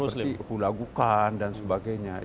seperti ulagukan dan sebagainya